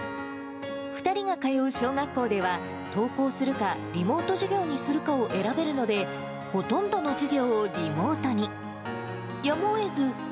２人が通う小学校では、登校するか、リモート授業にするかを選べるので、ほとんどの授業をリモートに。